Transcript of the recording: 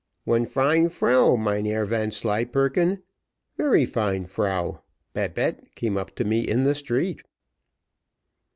"One fine Frau, Mynheer Vanslyperken very fine Frau. Babette came up to me in the street."